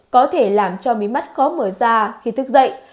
có thể làm cho miếng mắt khó mở ra khi thức dậy